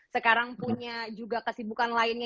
sekarang punya juga kesibukan lainnya